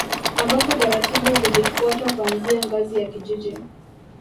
Ambapo taratibu zilifuatwa kuanzia ngazi ya kijiji